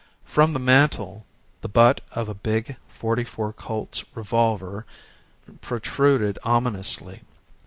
From the mantel the butt of a big 44 Colt's revolver protruded ominously.